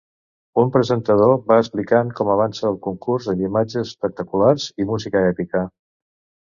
Un presentador va explicant com avança el concurs amb imatges espectaculars i música èpica.